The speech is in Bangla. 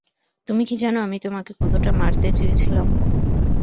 তুমি কি জানো আমি তোমাকে কতটা মারতে চেয়েছিলাম?